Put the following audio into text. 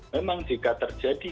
memang jika terjadi